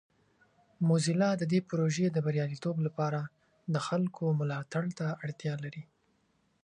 موزیلا د دې پروژې د بریالیتوب لپاره د خلکو ملاتړ ته اړتیا لري.